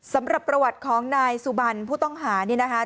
สำหรับประวัติของนายสุบันผู้ต้องหานี่นะคะ